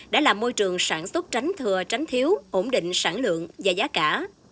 đã làm môi trường sản xuất tránh thừa tránh thiếu ổn định sản lượng và giá cả